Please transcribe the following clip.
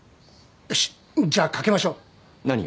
よしじゃあ賭けましょう何を？